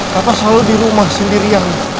bapak selalu di rumah sendirian